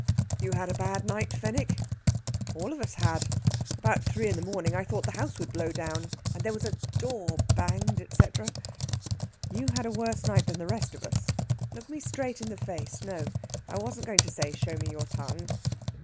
"You had a bad night, Fenwick." "All of us had. About three in the morning I thought the house would blow down. And there was a door banged, etc...." "You had a worse night than the rest of us. Look at me straight in the face. No, I wasn't going to say show me your tongue."